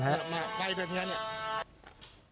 มาใครเป็นอย่างนี้